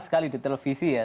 sekali di televisi ya